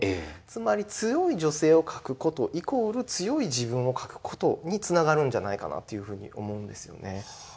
つまり強い女性を描くことイコール強い自分を描くことにつながるんじゃないかなというふうに思うんですよね。